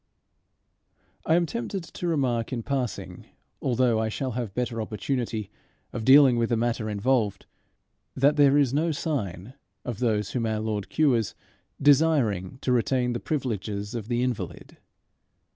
I am tempted to remark in passing, although I shall have better opportunity of dealing with the matter involved, that there is no sign of those whom our Lord cures desiring to retain the privileges of the invalid.